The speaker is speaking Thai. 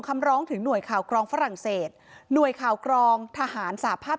คำร้องถึงหน่วยข่าวกรองฝรั่งเศสหน่วยข่าวกรองทหารสาภาพ